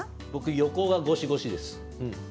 横はゴシゴシです。